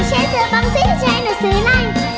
ใช้เสื้อบางซี่ใช้หน่อยซื้อไหน